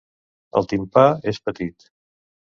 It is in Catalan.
El timpà és petit.